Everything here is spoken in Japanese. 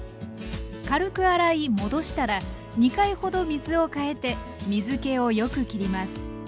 軽く洗い戻したら２回ほど水を替えて水けをよくきります。